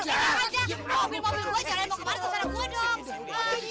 kalau punya aja mobil mobil gue jalannya mau ke mana itu sarang gue dong